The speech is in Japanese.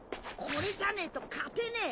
これじゃねえと勝てねえ！